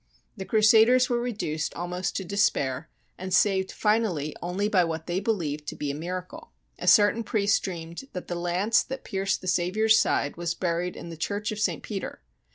The Cru saders were reduced almost to despair and saved finally only by what they believed to be a miracle. A certain priest dreamed that the lance that pierced the Saviour's side was buried in the Church of St. Peter.